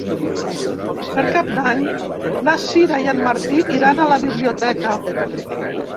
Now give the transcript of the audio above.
Per Cap d'Any na Sira i en Martí iran a la biblioteca.